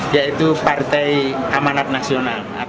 yaitu partai amanat nasional